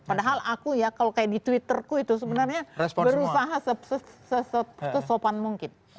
padahal aku ya kalau kayak di twitterku itu sebenarnya berusaha sesopan mungkin